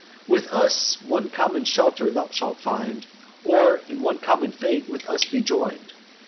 With us, one common shelter thou shalt find, Or in one common fate with us be join'd.